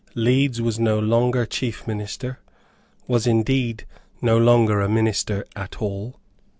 Leeds was no longer chief minister, was indeed no longer a minister at all.